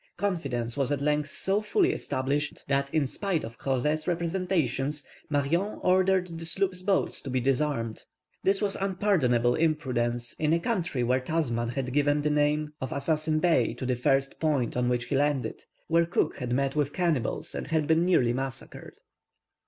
Confidence was at length so fully established that, in spite of Crozet's representations, Marion ordered the sloops' boats to be disarmed. This was unpardonable imprudence in a country where Tasman had given the name of Assassin Bay to the first point on which he landed, where Cook had met with cannibals, and had been nearly massacred.